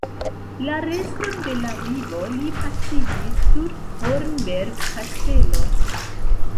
La reston de la vivo li pasigis sur Hornberg-kastelo.